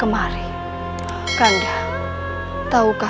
memperhatikan kanda melamun